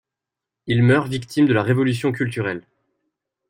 Il meurt victime de la Révolution culturelle.